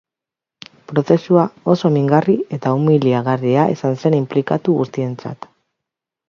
Prozesua oso mingarri eta umiliagarria izan zen inplikatu guztientzat.